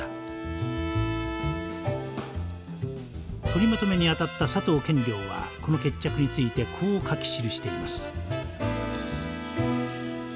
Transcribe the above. とりまとめに当たった佐藤賢了はこの決着についてこう書き記しています。